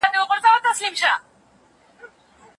د تاریخ مطالعه له موږ سره په قضاوت کې مرسته کوي.